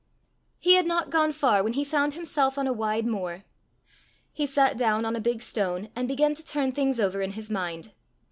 He had not gone far when he found himself on a wide moor. He sat down on a big stone, and began to turn things over in his mind.